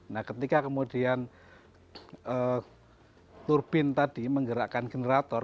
nah ketika kemudian turbin tadi menggerakkan generator